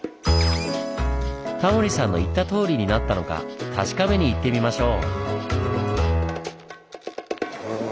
タモリさんの言ったとおりになったのか確かめに行ってみましょう！